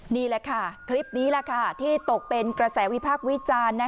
นี่แหละค่ะคลิปนี้แหละค่ะที่ตกเป็นกระแสวิพากษ์วิจารณ์